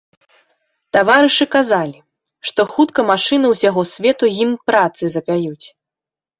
Таварышы казалі, што хутка машыны ўсяго свету гімн працы запяюць.